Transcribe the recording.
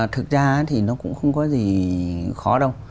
thực ra thì nó cũng không có gì khó đâu